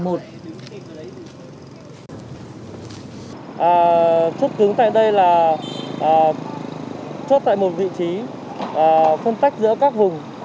chốt cứng tại đây là chốt tại một vị trí phân tách giữa các vùng